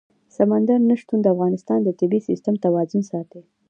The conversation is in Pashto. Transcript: سمندر نه شتون د افغانستان د طبعي سیسټم توازن ساتي.